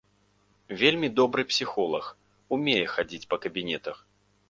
Вельмі добры псіхолаг, умее хадзіць па кабінетах.